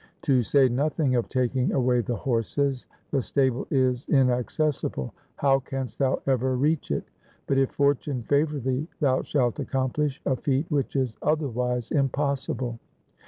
To say nothing of taking away the horses, the stable is inaccessible. How canst thou ever reach it ? But if fortune favour thee, thou shalt accomplish a feat which is otherwise impossible.